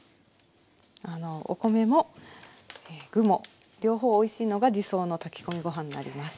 お米も具も両方おいしいのが理想の炊き込みご飯になります。